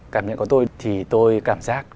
cảm nhận của tôi thì tôi cảm giác